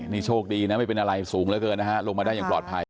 นี่โชคดีนะไม่เป็นอะไรสูงเหลือเกินนะฮะลงมาได้อย่างปลอดภัย